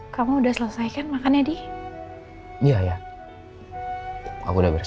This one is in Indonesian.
kamu udah selesaikan makanya di ini ya ya aku udah beres